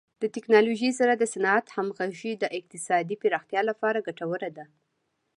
د ټکنالوژۍ سره د صنعت همغږي د اقتصادي پراختیا لپاره ګټوره ده.